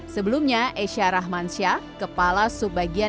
sebelumnya esya rahmansyah kepala subbagian